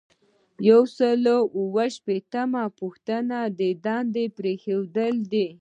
یو سل او اووه ویشتمه پوښتنه د دندې پریښودل دي.